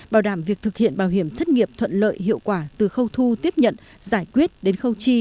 bảo đảm việc thực hiện bảo hiểm thất nghiệp thuận lợi hiệu quả từ khâu thu tiếp nhận giải quyết đến khâu chi